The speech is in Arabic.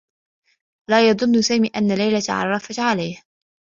لا يظنّ سامي أنّ ليلى تعرّفت عليه.